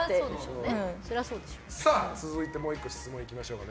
続いて、もう１個質問いきましょうか。